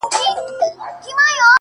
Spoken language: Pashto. • او یو موټی کولو لپاره ,